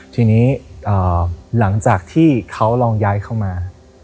ทีนี้หลังจากที่เขาลองย้ายเข้ามา